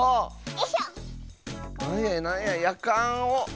なんやなんややかんを。